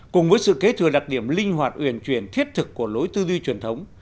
cùng với sự kế thừa đặc điểm linh hoạt uyển chuyển thiết thực của lối tư duy truyền thống